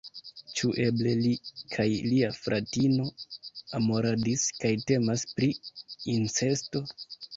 Ĉu eble li kaj lia fratino amoradis, kaj temas pri incesto?